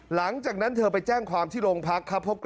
หลังจากนั้นเธอไปแจ้งความที่โรงพักครับ